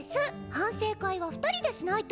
反省会は２人でしないと！